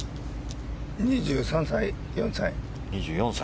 ２３歳、２４歳？